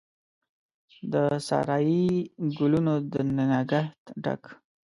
د سارایي ګلونو د نګهت ډک،